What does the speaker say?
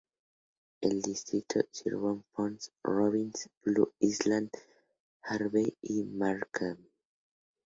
El distrito sirve Posen, Robbins, Blue Island, Harvey y Markham.